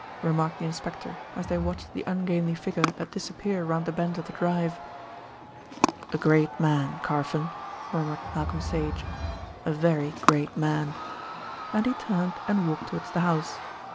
remarked the inspector as they watched the ungainly figure disappear round the bend of the drive. "A great man, Carfon," murmured Malcolm Sage, "a very great man," and he turned and walked towards the house.